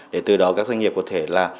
để từ đó các doanh nghiệp có thể là